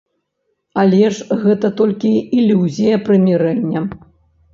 Але ж гэта толькі ілюзія прымірэння.